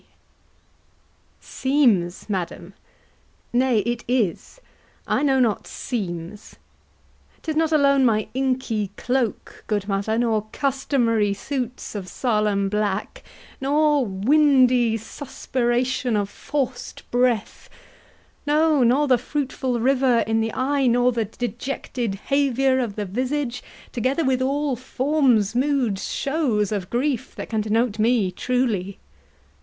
HAMLET. Seems, madam! Nay, it is; I know not seems. 'Tis not alone my inky cloak, good mother, Nor customary suits of solemn black, Nor windy suspiration of forc'd breath, No, nor the fruitful river in the eye, Nor the dejected haviour of the visage, Together with all forms, moods, shows of grief, That can denote me truly.